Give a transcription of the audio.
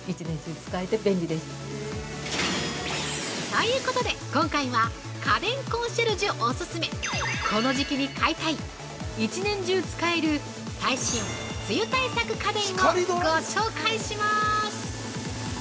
◆ということで、今回は家電コンシェルジュお勧め、この時期に買いたい１年中使える最新梅雨対策家電をご紹介します。